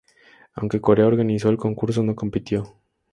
Aunque Corea organizó el concurso, no compitió.